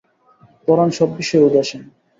পরাণ সব বিষয়ে উদাসীন।